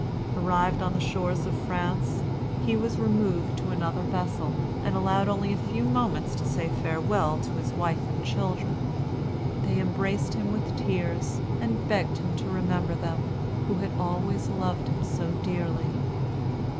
Arrived on the shores of France, he was removed to another vessel, and allowed only a few moments to say farewell to his wife and children. They embraced him with tears, and begged him to remember them, who had always loved him so dearly.